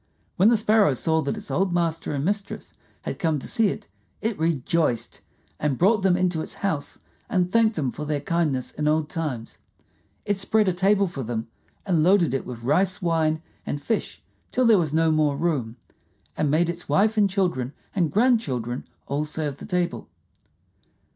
When the Sparrow saw that its old master and mistress had come to see it, it rejoiced, and brought them into its house and thanked them for their kindness in old times. It spread a table for them, and loaded it with rice wine and fish till there was no more room, and made its wife and children and grandchildren all serve the table.